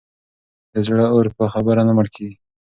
د زړه اور په خبرو نه مړ کېږي.